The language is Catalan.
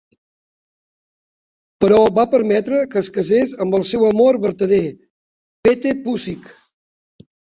Però va permetre que es casés amb el seu amor vertader, Pete Pussick.